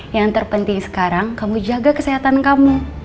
yang terpenting sekarang kamu jaga kesehatan kamu